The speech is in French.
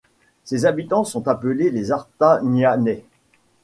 Ses habitants sont appelés les Artagnanais.